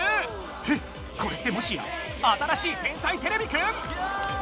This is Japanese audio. えっこれってもしや新しい「天才てれびくん」